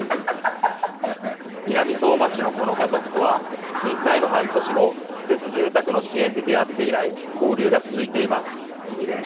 南相馬市のこの家族とは、震災の半年後、仮設住宅の支援で出会って以来、交流が続いています。